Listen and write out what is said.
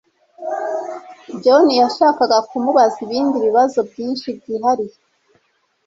John yashakaga kumubaza ibindi bibazo byinshi byihariye.